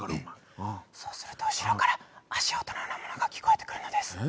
そうすると後ろから足音が聞こえてくるのです。